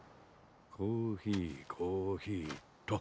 コーヒーコーヒーっと。